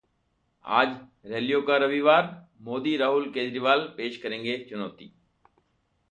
आज रैलियों का रविवार: मोदी, राहुल, केजरीवाल पेश करेंगे चुनौती